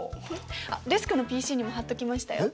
あっデスクのＰＣにも貼っときましたよ。